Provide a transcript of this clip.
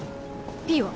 「Ｐ」は？